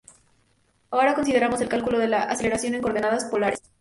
Ahora consideramos el cálculo de la aceleración en coordenadas polares.